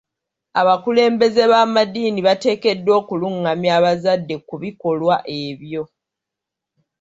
Abakulembeze b'amadiini batekeddwa okulungamya abazadde ku bikolwa ebyo.